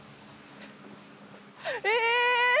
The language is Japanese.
え！